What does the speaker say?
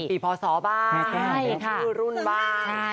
เป็นปีพศบ้างเป็นชื่อรุ่นบ้าง